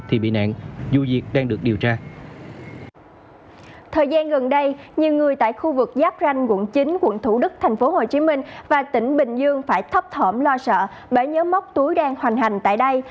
thời gian gần đây nhiều người tại khu vực giáp ranh quận chín quận thủ đức tp hcm và tỉnh bình dương phải thấp thỏm lo sợ bởi nhớ móc túi đang hoành hành tại đây